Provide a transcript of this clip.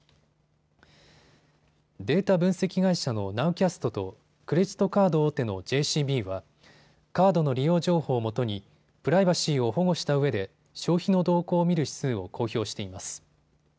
データ分析会社のナウキャストとクレジットカード大手のＪＣＢはカードの利用情報をもとにプライバシーを保護したうえで消費の動向を見る指数を公表しています。